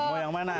mau yang mana